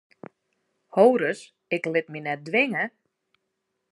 Ho ris, ik lit my net twinge!